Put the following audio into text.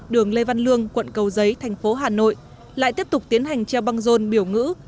đường lê văn lương quận cầu giấy thành phố hà nội lại tiếp tục tiến hành treo băng rôn biểu ngữ